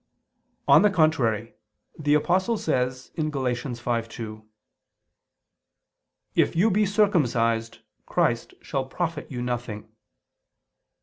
On the contrary, The Apostle says (Gal. 5:2): "If you be circumcised, Christ shall profit you nothing."